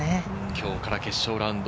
今日から決勝ラウンド。